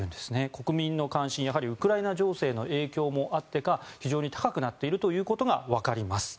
国民の関心はやはりウクライナ情勢もあってか非常に高くなっているということがわかります。